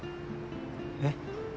えっ？